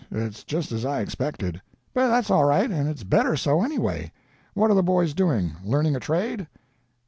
It's just as I expected. But that's all right, and it's better so, anyway. What are the boys doing—learning a trade?"